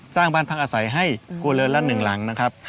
สร้างบ้านพักอาศัยให้ครัวเรือนละ๑หลังนะครับ